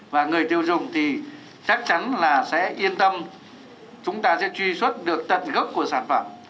và người tiêu dùng thì chắc chắn là sẽ yên tâm chúng ta sẽ truy xuất được tận gốc của sản phẩm